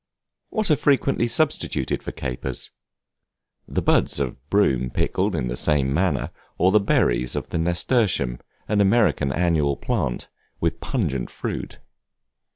What are frequently substituted for Capers? The buds of broom pickled in the same manner, or the berries of the nasturtium, an American annual plant, with pungent fruit.